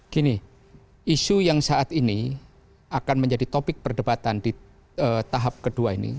gini isu yang saat ini akan menjadi topik perdebatan di tahap kedua ini